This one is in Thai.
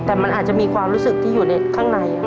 แต่มันอาจจะมีความรู้สึกที่อยู่ในข้างใน